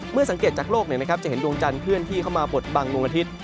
เมื่อสังเกตจากโลกเนี่ยนะครับจะเห็นดวงจันทร์เคลื่อนที่เข้ามาปลดบังดวงอาทิตย์